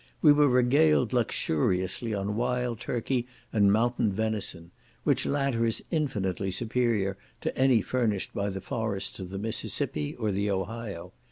We were regaled luxuriously on wild turkey and mountain venison; which latter is infinitely superior to any furnished by the forests of the Mississippi, or the Ohio.